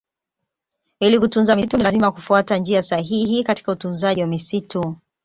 Ili kutunza misitu ni lazima kufuata njia sahihi katika utunzaji wa misitu